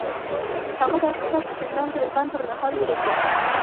هغه دا کتاب په زندان کې د بند پر مهال ولیکه